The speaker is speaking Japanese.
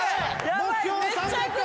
目標は３００回